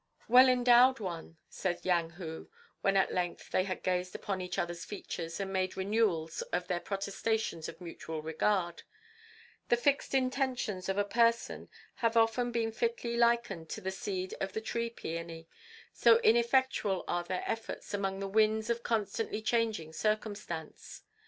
"Well endowed one," said Yang Hu, when at length they had gazed upon each other's features and made renewals of their protestations of mutual regard, "the fixed intentions of a person have often been fitly likened to the seed of the tree peony, so ineffectual are their efforts among the winds of constantly changing circumstance.